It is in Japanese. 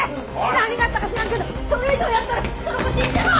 何があったか知らんけどそれ以上やったらその子死んじゃうわ！